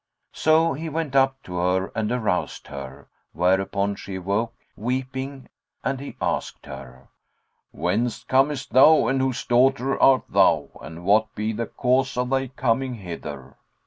So he went up to her and aroused her, whereupon she awoke, weeping; and he asked her, "Whence comest thou and whose daughter art thou and what be the cause of thy coming hither?"